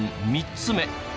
３つ目。